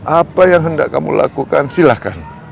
apa yang hendak kamu lakukan silahkan